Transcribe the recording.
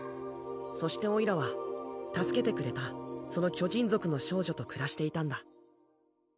そしておいらは助けてくれたその巨人族の少女と暮らしていたんだ